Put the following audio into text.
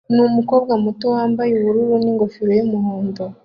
numukobwa muto wambaye ubururu ningofero yumuhondo